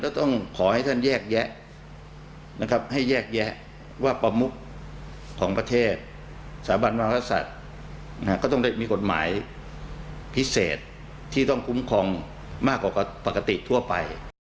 ต้องขอให้ท่านแยกแยะนะครับให้แยกแยะว่าประมุขของประเทศสถาบันมหากษัตริย์ก็ต้องได้มีกฎหมายพิเศษที่ต้องคุ้มครองมากกว่าปกติทั่วไป